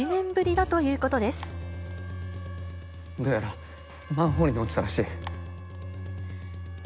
どうやらマンホールに落ちたらしい。